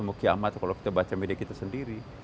akan kiamat kalau kita baca media kita sendiri